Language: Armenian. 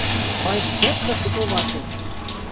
Բայց ձեռքը շուտով աճեց։